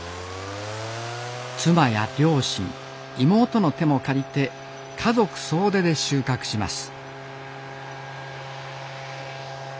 妻や両親妹の手も借りて家族総出で収穫します